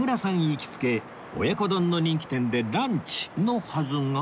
行きつけ親子丼の人気店でランチのはずが？